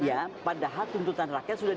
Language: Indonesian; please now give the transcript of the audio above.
ya padahal tuntutan rakyat sudah